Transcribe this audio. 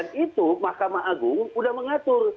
untuk mahkamah agung udah mengatur